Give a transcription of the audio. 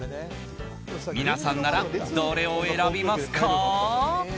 皆さんならどれを選びますか？